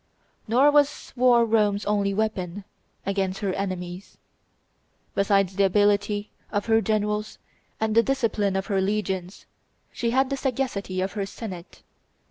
Nor was war Rome's only weapon against her enemies. Besides the ability of her generals and the discipline of her legions, she had the sagacity of her Senate.